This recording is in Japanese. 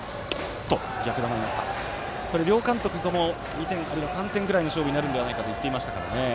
両監督とも２点、あるいは３点ぐらいの勝負になるんじゃないかと言っていましたからね。